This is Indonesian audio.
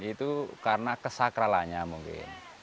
itu karena kesakralanya mungkin